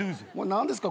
何ですか？